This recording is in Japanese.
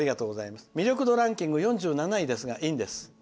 魅力度ランキング４７位ですがいいんです」。